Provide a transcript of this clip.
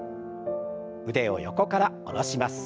腕を横から下ろします。